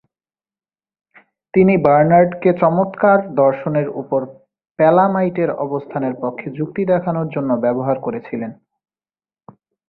তিনি বার্নার্ডকে চমৎকার দর্শনের ওপর প্যালামাইটের অবস্থানের পক্ষে যুক্তি দেখানোর জন্য ব্যবহার করেছিলেন।